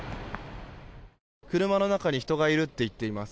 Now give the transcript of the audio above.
車の中に人がいると言っています。